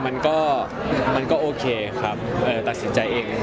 มันก็โอเคครับตัดสินใจเอง